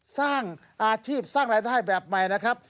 สร้างอาชีพสร้างรายได้แบบใหม่นะครับ